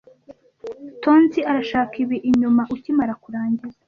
Tonzi arashaka ibi inyuma ukimara kurangiza.